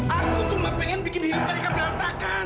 aku cuma pengen bikin hidup mereka berantakan